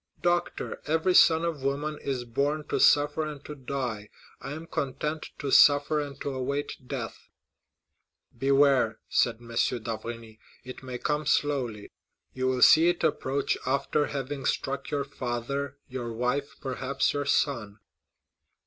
"Doctor, every son of woman is born to suffer and to die; I am content to suffer and to await death." "Beware," said M. d'Avrigny, "it may come slowly; you will see it approach after having struck your father, your wife, perhaps your son."